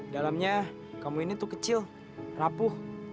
dalamnya kamu ini tuh kecil rapuh